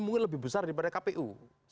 mungkin lebih besar daripada kpu